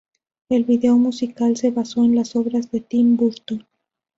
El video musical se basó en las obras de Tim Burton.